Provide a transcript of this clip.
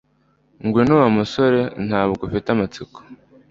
Ngwino Wa musore ntabwo ufite amatsiko